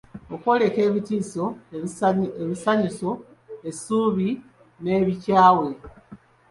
Okwoleka ebitiiso, ebisanyuso, essuubi n’ebikyawe.